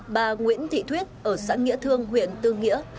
bà nguyễn thị thuyết ở xã nghĩa thương huyện tư nghĩa